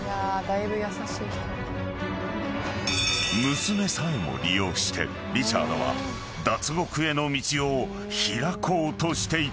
［娘さえも利用してリチャードは脱獄への道を開こうとしていた］